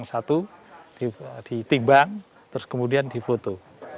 diambil dari kandang satu ditimbang terus kemudian difoto